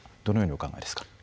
どのようにお考えですか。